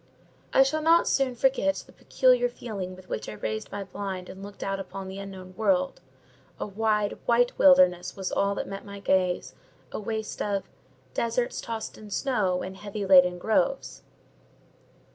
I shall not soon forget the peculiar feeling with which I raised my blind and looked out upon the unknown world: a wide, white wilderness was all that met my gaze; a waste of Deserts tossed in snow, And heavy laden groves.